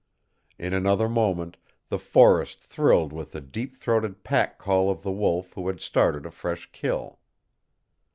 In another moment the forest thrilled with the deep throated pack call of the wolf who has started a fresh kill.